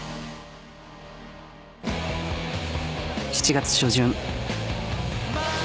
７月初旬。